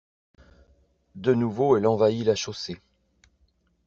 De nouveau elle envahit la chaussée.